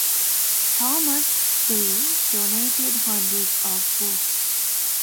Thomas Day donated hundreds of books.